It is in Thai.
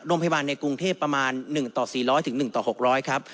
โรงพยาบาลในกรุงเทพประมาณ๑ต่อ๔๐๐๑ต่อ๖๐๐ครับ